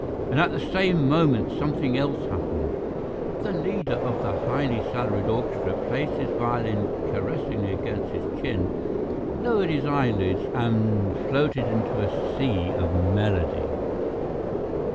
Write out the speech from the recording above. And at the same moment something else happened. The leader of the highly salaried orchestra placed his violin caressingly against his chin, lowered his eyelids, and floated into a sea of melody.